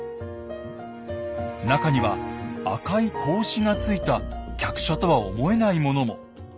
中には赤い格子がついた客車とは思えないものも。